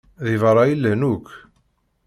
Deg beṛṛa i llan akk.